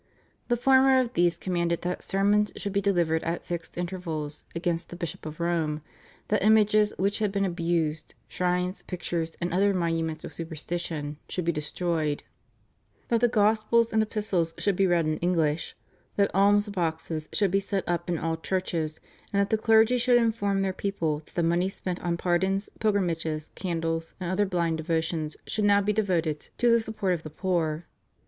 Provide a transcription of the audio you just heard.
The former of these commanded that sermons should be delivered at fixed intervals against the Bishop of Rome, that images which had been abused, shrines, pictures, and other monuments of superstition should be destroyed, that the Gospels and Epistles should be read in English, that alms boxes should be set up in all churches, and that the clergy should inform their people that the money spent on pardons, pilgrimages, candles, and other blind devotions should now be devoted to the support of the poor.